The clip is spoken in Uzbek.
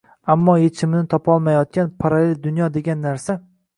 ammo yechimini topolmayotgan – parallel dunyo degan narsa